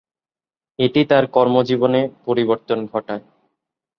এটি তার কর্মজীবনে পরিবর্তন ঘটায়।